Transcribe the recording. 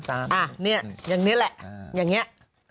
อ่ะเนี่ยอย่างนี้แหละอย่างเนี้ย